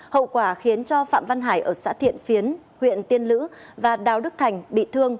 hậu quả khiến cho phạm văn hải ở xã thiện phiến huyện tiên lữ và đào đức thành bị thương